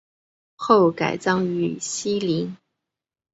后改葬于禧陵。